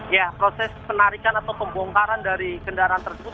ya proses penarikan atau pembongkaran dari kendaraan tersebut